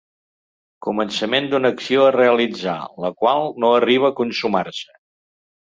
Començament d'una acció a realitzar, la qual no arriba a consumar-se.